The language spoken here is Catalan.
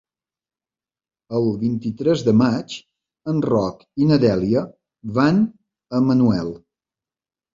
El vint-i-tres de maig en Roc i na Dèlia van a Manuel.